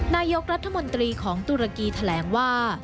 นายกรัฐมนตรีของตุรกีแถลงว่า